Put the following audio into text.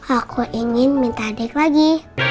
aku ingin minta adik lagi